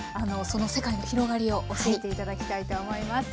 その世界の広がりを教えて頂きたいと思います。